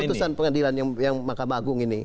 putusan pengadilan yang mahkamah agung ini